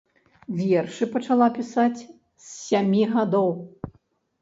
Вершы пачала пісаць з сямі гадоў.